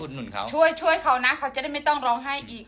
ช่วยเขานะเขาจะได้ไม่ต้องร้องไห้อีก